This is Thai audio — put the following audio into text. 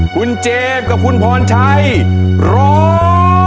คุณเจมส์กับคุณพรชัยร้อง